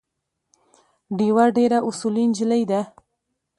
ډیوه ډېره اصولي نجلی ده